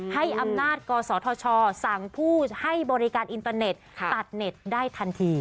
ให้อำนาจกศธชสั่งผู้ให้บริการอินเตอร์เน็ตตัดเน็ตได้ทันที